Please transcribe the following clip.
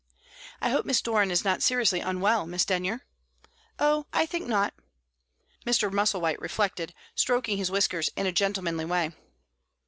"I hope Miss Doran is not seriously unwell, Miss Denyer?" "Oh, I think not." Mr. Musselwhite reflected, stroking his whiskers in a gentlemanly way.